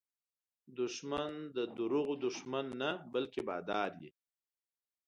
دښمن د دروغو دښمن نه، بلکې بادار وي